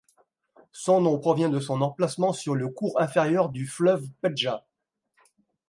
Son nom provient de son emplacement sur le cours inférieur du fleuve Pedja.